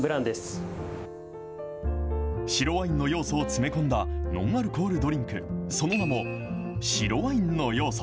白ワインの要素を詰め込んだノンアルコールドリンク、その名も、白ワインの要素。